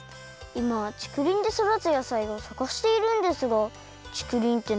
いまちくりんでそだつ野菜をさがしているんですがちくりんって